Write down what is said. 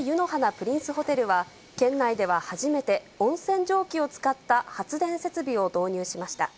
プリンスホテルは、県内では初めて、温泉蒸気を使った発電設備を導入しました。